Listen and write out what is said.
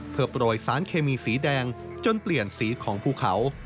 เพื่อโปรยสารเคมีสีแดงจนเปลี่ยนสีของภูเขา